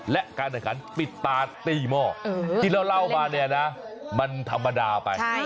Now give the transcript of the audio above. และการแข่งขันปิดตาตีหม้อที่เราเล่ามาเนี่ยนะมันธรรมดาไป